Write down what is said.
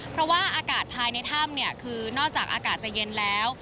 เพราะว่าอากาศภายในถ้ำเนี่ยคือนอกจากอากาศจะเย็นแล้ว